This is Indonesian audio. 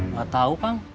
gak tau pang